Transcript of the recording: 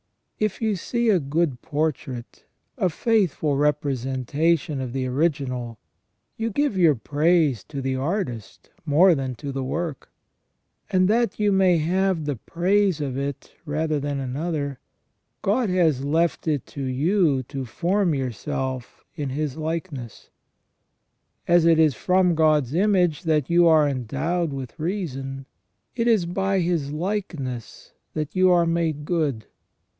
If you see a good portrait, a faithful representation of the original, you give your praise to the artist more than to the work ; and that you may have the praise of it rather than another, God has left it to you to form yourself to His likeness. As it is from God's image that you are endowed with reason, it is by His likeness that you are made good.